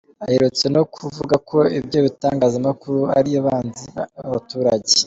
Aherutse no kuvuga ko ibyo bitangazamakuru ari abanzi b'abaturage.